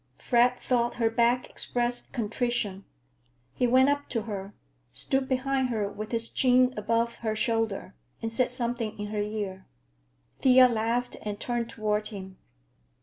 Fred thought her back expressed contrition. He went up to her, stood behind her with his chin above her shoulder, and said something in her ear. Thea laughed and turned toward him.